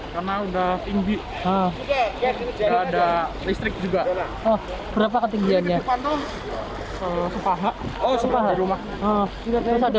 karena sudah tinggi sudah ada listrik juga